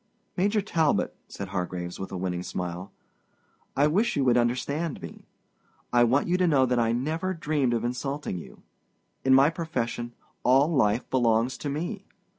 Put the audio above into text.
"Major Talbot," said Hargraves, with a winning smile, "I wish you would understand me. I want you to know that I never dreamed of insulting you. In my profession, all life belongs to me.